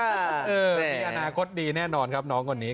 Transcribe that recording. เออพิจารณาคตดีแน่นอนครับน้องคนนี้